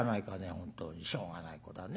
本当にしょうがない子だね。